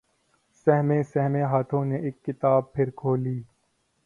سہمے سہمے ہاتھوں نے اک کتاب پھر کھولی